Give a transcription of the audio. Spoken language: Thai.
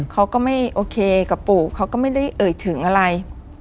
เขาก็ไม่โอเคกับปู่เขาก็ไม่ได้เอ่ยถึงอะไร